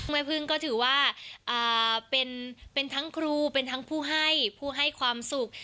แม่พึ่งก็ถือว่าเป็นทั้งครูเป็นทั้งผู้ให้ผู้ให้ความสุข